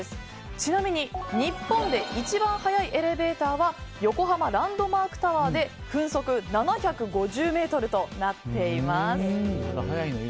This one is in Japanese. ちなみに日本で一番速いエレベーターは横浜ランドマークタワーで分速７５０メートルとなってます。